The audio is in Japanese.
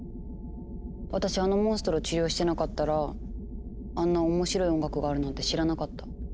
私あのモンストロ治療してなかったらあんな面白い音楽があるなんて知らなかった。